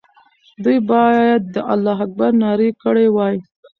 دوی باید د الله اکبر ناره کړې وای.